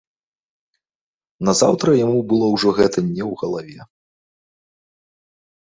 Назаўтра яму было ўжо гэта не ў галаве.